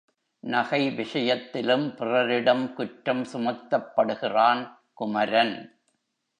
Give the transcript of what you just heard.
நகை விஷயத்திலும் பிறரிடம் குற்றம் சுமத்தப்படுகிறான் குமரன்.